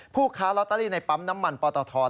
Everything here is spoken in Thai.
ค้าลอตเตอรี่ในปั๊มน้ำมันปตท